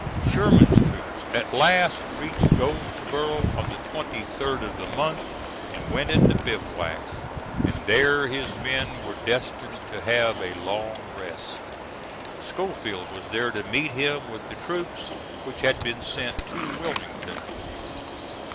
Sherman's troops at last reached Goldsboro on the 23d of the month and went into bivouac; and there his men were destined to have a long rest. Schofield was there to meet him with the troops which had been sent to Wilmington.